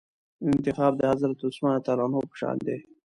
انتخاب د حضرت عثمان رضي الله عنه په شان دئ.